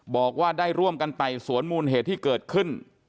บอกว่าได้ร่วมกันไต่สวนมูลเหตุที่เกิดขึ้น